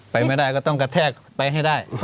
ไปไม่ได้ก็ต้องกระแทกไปให้ได้